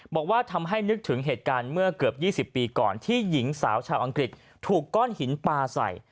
บอกว่าทำให้นึกถึงเหตุการณ์เมื่อเกือบ๒๐ปีก่อนที่หญิงสาวชาวอังกฤษถูกก้อนหินปลาใส่